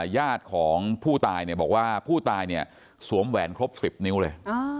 ญาติของผู้ตายเนี่ยบอกว่าผู้ตายเนี่ยสวมแหวนครบ๑๐นิ้วเลย